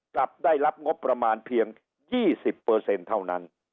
กลับได้รับงบประมาณเพียง๒๐เท่านั้น